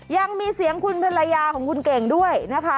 ยังมีเสียงคุณภรรยาของคุณเก่งด้วยนะคะ